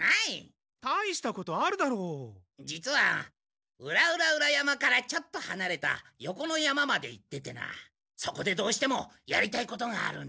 実は裏々々山からちょっとはなれた横の山まで行っててなそこでどうしてもやりたいことがあるんだ。